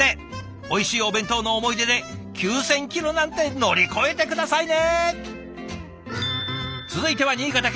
おいしいお弁当の思い出で９，０００キロなんて乗り越えて下さいね！